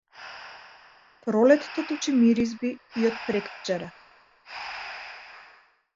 Пролетта точи миризби и од преквчера.